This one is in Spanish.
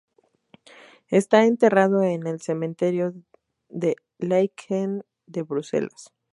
Está enterrado en el cementerio de Laeken de Bruselas.